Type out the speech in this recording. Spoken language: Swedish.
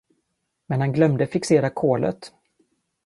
Men han glömde fixera kolet.